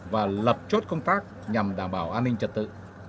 và lập chốt công tác nhằm đảm bảo an ninh trật tự